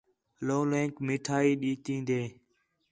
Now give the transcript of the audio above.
لَولینک مٹھائی ݙِتین٘دے